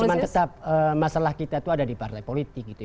ya cuma tetap masalah kita itu ada di partai politik gitu